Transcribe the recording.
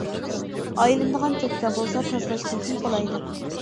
ئايلىنىدىغان چوتكا بولسا تازىلاش تېخىمۇ قولايلىق.